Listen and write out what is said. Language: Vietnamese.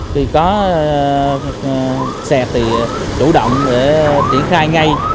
khi có xe thì chủ động để triển khai ngay